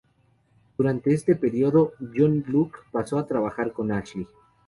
Durante este período, John Locke pasó a trabajar con Ashley.